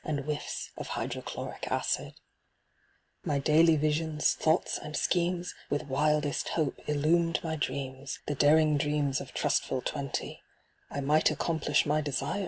And whiffs of Hydrochloric Acid, My daily visions, thoughts, and schemes With wildest hope illumed my dreams, The daring dreams of trustful twenty : I might accomplish my desire.